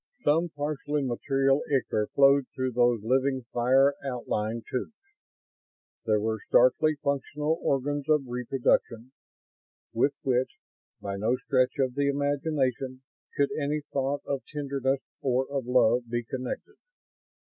Some partially material ichor flowed through those living fire outlined tubes. There were starkly functional organs of reproduction with which, by no stretch of the imagination, could any thought of tenderness or of love be connected.